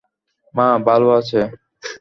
মা ভালো আছে?